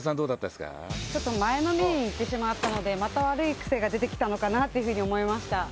ちょっと前のめりにいってしまったのでまた悪い癖が出てきてしまったのかなと思いました。